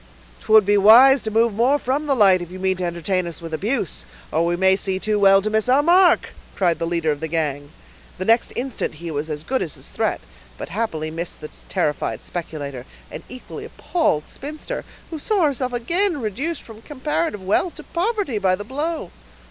"'Twould be wise to move more from the light, if you mean to entertain us with abuse, or we may see too well to miss our mark," cried the leader of the gang. The next instant he was as good as his threat, but happily missed the terrified speculator and equally appalled spinster, who saw herself again reduced from comparative wealth to poverty, by the blow.